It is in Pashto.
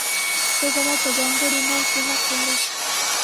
ته زما په ځانګړي مال کې حق لرې.